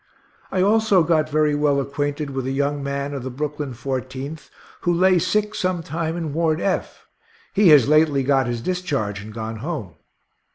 I also got very well acquainted with a young man of the Brooklyn Fourteenth who lay sick some time in Ward F; he has lately got his discharge and gone home.